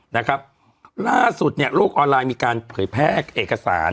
นะครับล่าสุดเนี่ยโลกออนไลน์มีการเผยแพร่เอกสาร